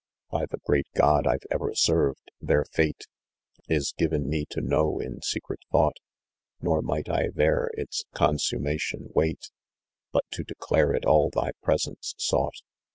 IS « By the great God I've ever served, their fate 13 given me to know, in secret thought, >Tor might I there its consummation wait, But to declare it all thy presence sought.